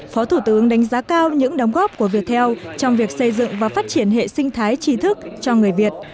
phó thủ tướng đánh giá cao những đóng góp của viettel trong việc xây dựng và phát triển hệ sinh thái trí thức cho người việt